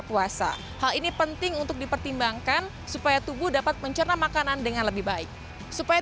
pilihan waktu olahraga selama tiga puluh sampai enam puluh menit saja